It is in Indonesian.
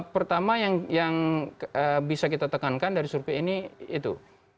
pertama yang bisa kita tekankan dari survei ini itu